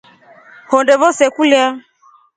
Honde vose kulya.